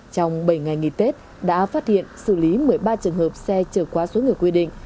trong bảy ngày nghỉ tết đã phát hiện xử lý một mươi ba trường hợp xe trở quá số người quy định